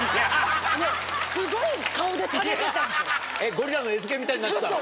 ゴリラの餌付けみたいになってたの？